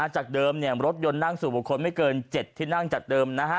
จากเดิมรถยนต์นั่งสู่บุคคลไม่เกิน๗ที่นั่งจากเดิมนะฮะ